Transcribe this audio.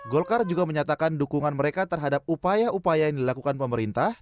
golkar juga menyatakan dukungan mereka terhadap upaya upaya yang dilakukan pemerintah